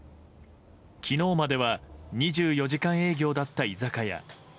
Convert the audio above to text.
昨日までは２４時間営業だった居酒屋。